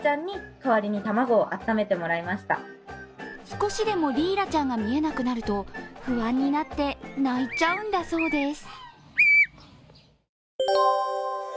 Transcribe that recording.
少しでもリーラちゃんが見えなくなると不安になって泣いちゃうんだそうです。